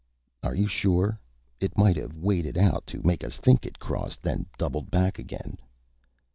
"Are you sure? It might have waded out to make us think it crossed, then doubled back again."